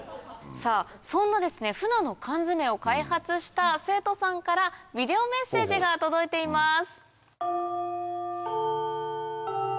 さぁそんなフナの缶詰を開発した生徒さんからビデオメッセージが届いています。